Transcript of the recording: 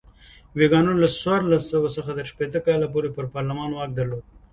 ویګیانو له څوارلس سوه څخه تر شپېته کاله پورې پر پارلمان واک درلود.